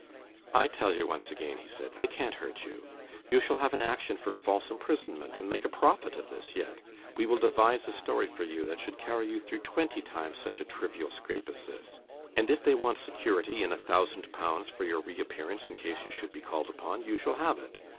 'I tell you, once again,' he said, 'they can't hurt you. You shall have an action for false imprisonment, and make a profit of this, yet. We will devise a story for you that should carry you through twenty times such a trivial scrape as this; and if they want security in a thousand pounds for your reappearance in case you should be called upon, you shall have it.